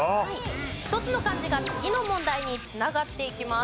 １つの漢字が次の問題に繋がっていきます。